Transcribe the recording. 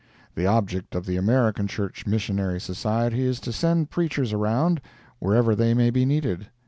The object of the American Church Missionary Society is to send preachers around, wherever they may be needed.